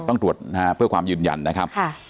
ต้องตรวจนะฮะเพื่อความยืนยันนะครับ